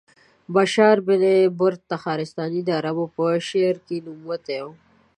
بشار بن برد تخارستاني د عربو په شعر کې نوموتی و.